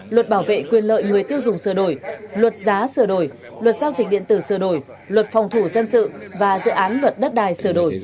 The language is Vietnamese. luật bảo vệ quyền lợi người tiêu dùng sửa đổi luật giá sửa đổi luật giao dịch điện tử sửa đổi luật phòng thủ dân sự và dự án luật đất đai sửa đổi